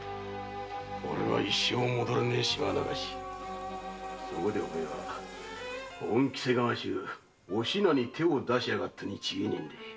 おれは一生戻れねぇ島流しそれでお前は恩着せがましくお品に手を出しやがったに違いねぇ。